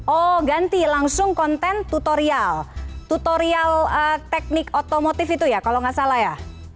oh ganti langsung konten tutorial tutorial teknik otomotif itu ya kalau nggak salah ya